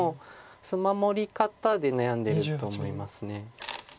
その守り方で悩んでると思います。